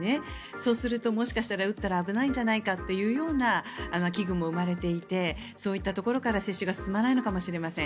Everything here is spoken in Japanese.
そうするともしかしたら打ったら危ないんじゃないかというような危惧も生まれていてそういったところから接種が進まないのかもしれません。